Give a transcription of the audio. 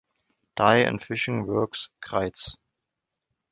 Dye and Finishing Works, Greiz.